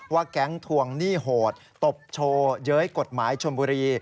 แก๊งทวงหนี้โหดตบโชว์เย้ยกฎหมายชนบุรี